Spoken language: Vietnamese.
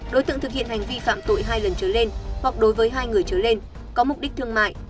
đối tượng thực hiện hành vi phạm tội hai lần trở lên hoặc đối với hai người trở lên có mục đích thương mại